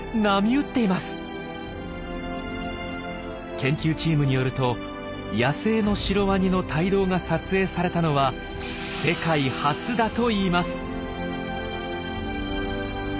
研究チームによると野生のシロワニの胎動が撮影されたのは世界初だといいます。